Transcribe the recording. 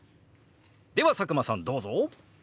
では佐久間さんどうぞ！